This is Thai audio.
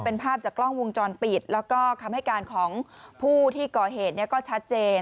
เป็นภาพจากกล้องวงจรปิดแล้วก็คำให้การของผู้ที่ก่อเหตุก็ชัดเจน